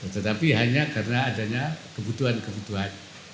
tetapi hanya karena adanya kebutuhan kebutuhan